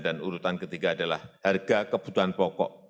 dan urutan ketiga adalah harga kebutuhan pokok